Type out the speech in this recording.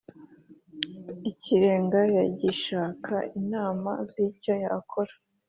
Ikirenga Yagishaga inama z icyo yakora